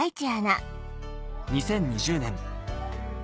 ２０２０年